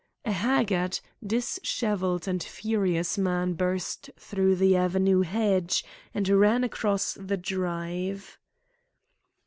A haggard, dishevelled, and furious man burst through the avenue hedge and ran across the drive.